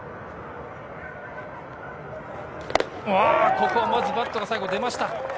ここもバットが最後出ました。